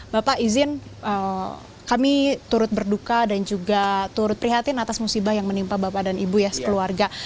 bapak izin kami turut berduka dan juga turut prihatin atas musibah yang menimpa bapak dan ibu ya sekeluarga